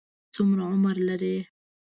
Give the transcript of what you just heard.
څومره عمر لري؟